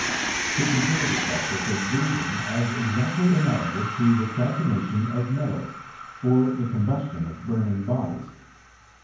He considered the process of breathing as exactly analogous to the calcination of metals, or the coio bustion of burning bodies.